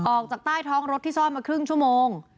ออกจากใต้ท้องรถที่ซ่อนมาครึ่งชั่วโมง